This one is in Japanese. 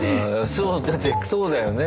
そうだってそうだよね。